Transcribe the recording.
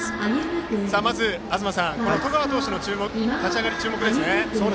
東さん、十川投手の立ち上がり注目ですね。